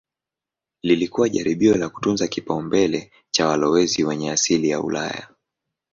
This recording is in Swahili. Lilikuwa jaribio la kutunza kipaumbele cha walowezi wenye asili ya Ulaya.